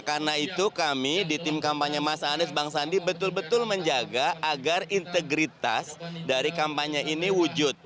karena itu kami di tim kampanye mas anies bang sandi betul betul menjaga agar integritas dari kampanye ini wujud